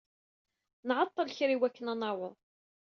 Nɛeṭṭel kra i wakken ad naweḍ.